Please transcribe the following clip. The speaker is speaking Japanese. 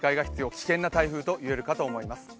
危険な台風といえるかと思います。